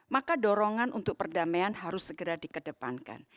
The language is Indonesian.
maka dorongan untuk perdamaian harus segera dikedepankan